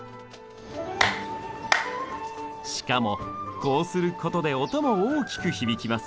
しかもこうすることで音も大きく響きます。